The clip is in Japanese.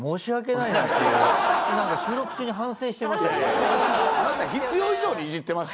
収録中に反省してました。